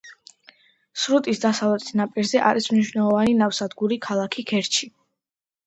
სრუტის დასავლეთ ნაპირზე არის მნიშვნელოვანი ნავსადგური ქალაქი ქერჩი.